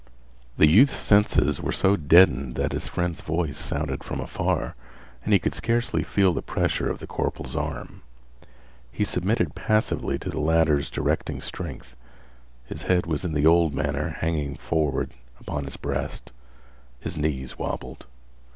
The youth's senses were so deadened that his friend's voice sounded from afar and he could scarcely feel the pressure of the corporal's arm. He submitted passively to the latter's directing strength. His head was in the old manner hanging forward upon his breast. His knees wobbled.